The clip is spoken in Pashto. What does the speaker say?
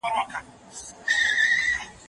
څېړونکي وايي لږ خوراک روغتیا ته ګټور دی.